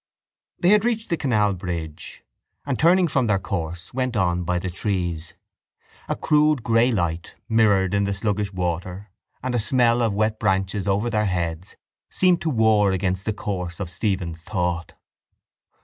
They had reached the canal bridge and, turning from their course, went on by the trees. A crude grey light, mirrored in the sluggish water and a smell of wet branches over their heads seemed to war against the course of Stephen's thought.